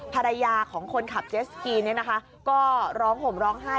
ภรรยาของคนขับเจสกีเนี่ยนะคะก็ร้องห่มร้องไห้